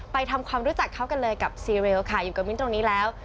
ทำความรู้จักเขากันเลยกับซีเรียลค่ะอยู่กับมิ้นตรงนี้แล้ว